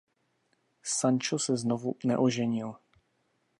Sancho se znovu neoženil.